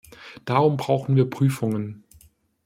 Darum brauchen wir Prüfungen.